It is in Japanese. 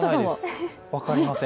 分かりません。